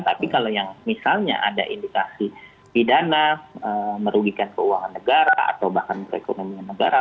tapi kalau yang misalnya ada indikasi pidana merugikan keuangan negara atau bahkan perekonomian negara